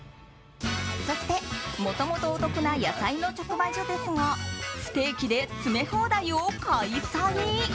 そして、もともとお得な野菜の直売所ですが不定期で詰め放題を開催。